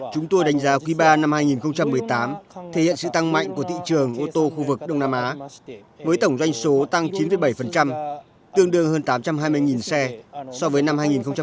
chúng tôi đánh giá quý ba năm hai nghìn một mươi tám thể hiện sự tăng mạnh của thị trường ô tô khu vực đông nam á với tổng doanh số tăng chín bảy tương đương hơn tám trăm hai mươi xe so với năm hai nghìn một mươi bảy